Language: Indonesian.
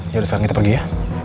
yaudah sekarang kita pergi ya